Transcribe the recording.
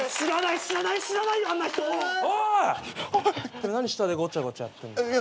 てめえ何下でごちゃごちゃやってんだよ。